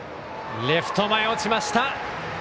レフト前、落ちました。